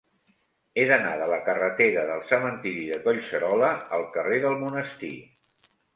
He d'anar de la carretera del Cementiri de Collserola al carrer del Monestir.